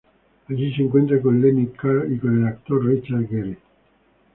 Allí se encuentra con Lenny, Carl y con el actor Richard Gere.